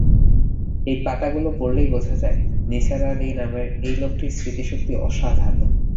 এ পাতাগুলো পড়লেই বোঝা যায়, নিসার আলি নামের এই লোকটির স্মৃতিশক্তি অসাধারণ।